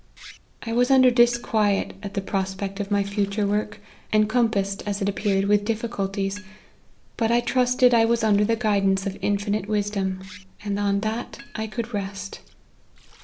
" I was under disquiet at the prospect of my future work, encompassed, as it appeared, will. LIFE OF HENRY MARTYN. 27 difficulties ; but I trusted I was under the guidance of infinite wisdom, and on that I could rest.